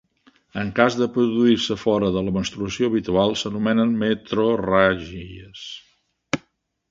En cas de produir-se fora de la menstruació habitual s'anomenen metrorràgies.